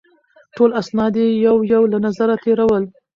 ټول اسناد یې یو یو له نظره تېرول.